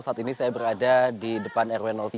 saat ini saya berada di depan rw tiga